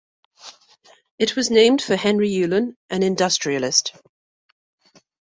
It was named for Henry Ulen, an industrialist.